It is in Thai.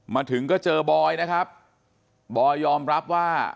มาถึงก็เจอบอยบอยยอมรับว่า